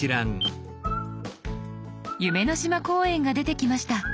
「夢の島公園」が出てきました。